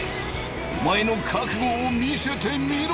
お前の覚悟を見せてみろ！